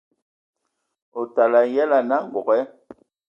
Otana a yǝlǝ anǝ angoge,